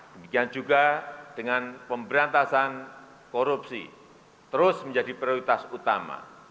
demikian juga dengan pemberantasan korupsi terus menjadi prioritas utama